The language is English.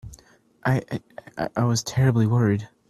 I—I was terribly worried.